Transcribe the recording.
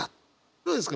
どうですか？